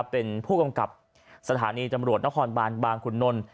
เป็นผู้กำกับสถานีตำรวจนครบานบางขุนนล